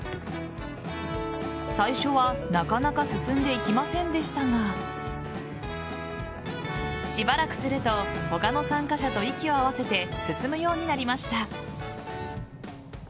最初は、なかなか進んでいきませんでしたがしばらくすると他の参加者と息を合わせて進むようになりました。